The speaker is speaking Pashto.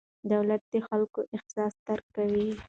دولت د خلکو احساس درک کړي.